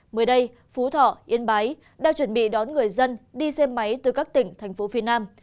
mới đây phú thọ yên bái đã chuẩn bị đón người dân đi xem máy từ các tỉnh thành phố phi nam